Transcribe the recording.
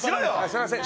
すいません。